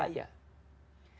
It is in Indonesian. yang ketiga cek kebenarannya